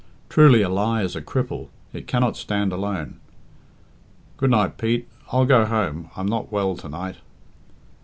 Truly "a lie is a cripple;" it cannot stand alone. "Good night, Pete; I'll go home. I'm not well to night."